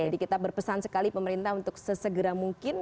jadi kita berpesan sekali pemerintah untuk sesegera mungkin